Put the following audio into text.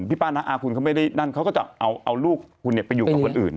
ป้าน้าอาคุณเขาไม่ได้นั่นเขาก็จะเอาลูกคุณไปอยู่กับคนอื่น